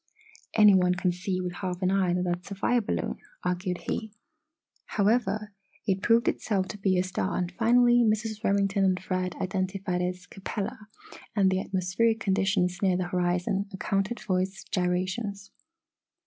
"Any one can see with half an eye that that's a fire balloon!" argued he. However, it proved itself to be a star and finally, Mrs. Remington and Fred identified it as Capella and the atmospheric conditions near the horizon accounted for its gyrations.